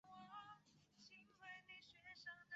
兄终弟及是一种继承的制度。